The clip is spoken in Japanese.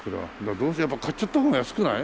どうせやっぱ買っちゃった方が安くない？